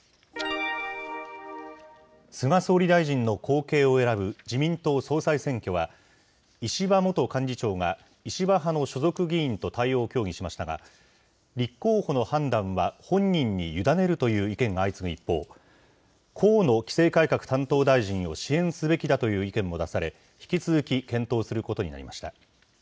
菅総理大臣の後継を選ぶ自民党総裁選挙は、石破元幹事長が石破派の所属議員と対応を協議しましたが、立候補の判断は本人に委ねるという意見が相次ぐ一方、河野規制改革担当大臣を支援すべきだという意見も出され、引き続き検討することになりました。